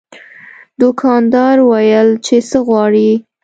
دوکاندار وویل چې څه غواړې.